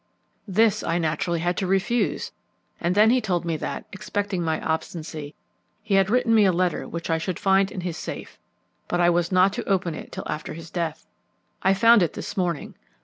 "This I naturally had to refuse, and then he told me that, expecting my obstinacy, he had written me a letter which I should find in his safe, but I was not to open it till after his death. I found it this morning.